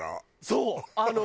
そう！